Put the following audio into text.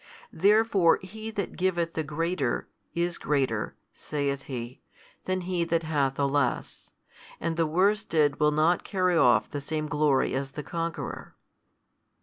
Therefore He that giveth the greater, is greater (saith He) than he that hath the less, and the worsted will not carry off the same glory as the conqueror.